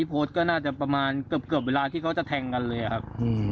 ผมพดเกือบเวลาที่เค้าจะแทงกันเลยครับ